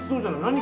何？